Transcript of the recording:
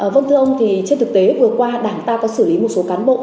vâng thưa ông thì trên thực tế vừa qua đảng ta có xử lý một số cán bộ